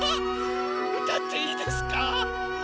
うたっていいですか？